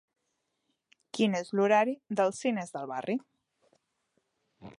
Quin és l'horari dels cines del barri